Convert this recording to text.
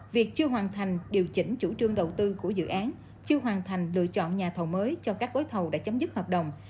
việc chưa hoàn thành điều chỉnh chủ trương đầu tư của dự án chưa hoàn thành lựa chọn nhà thầu mới cho các gói thầu đã chấm dứt hợp đồng